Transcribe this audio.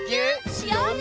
しようね！